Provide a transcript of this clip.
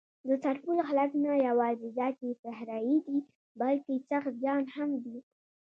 د سرپل خلک نه یواځې دا چې صحرايي دي، بلکې سخت جان هم دي.